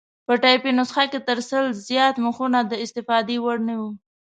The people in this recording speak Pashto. په ټایپي نسخه کې تر سل زیات مخونه د استفادې وړ نه وو.